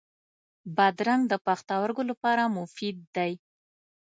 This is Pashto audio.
بادرنګ د پښتورګو لپاره مفید دی.